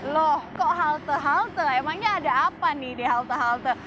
loh kok halte halte emangnya ada apa nih di halte halte